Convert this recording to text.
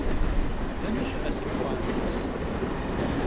Dene şı'e si pxhuanter?